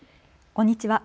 こんにちは。